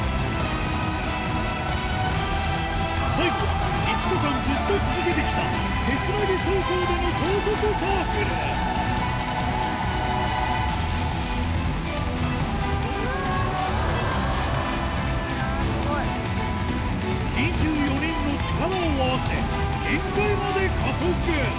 最後は５日間ずっと続けてきた手つなぎ走行での高速サークル ２４ 人の力を合わせ限界まで加速